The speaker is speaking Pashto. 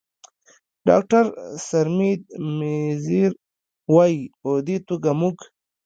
ډاکتر سرمید میزیر، وايي: "په دې توګه موږ